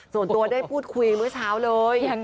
ส่วนตัวได้พูดคุยเมื่อเช้าเลย